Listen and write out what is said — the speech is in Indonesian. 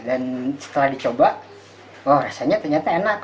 dan setelah dicoba wah rasanya ternyata enak